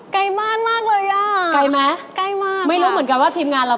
ใกล้มากเลยอ่ะใกล้มากค่ะไม่รู้เหมือนกันว่าทีมงานเรา